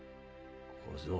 小僧